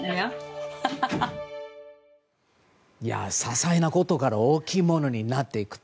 些細なことから大きいものになっていくと。